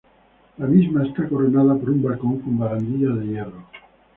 La misma está coronada por un balcón con barandillas de hierro.